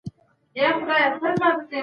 که داسي یوې ولیمې ته وبلل سواست.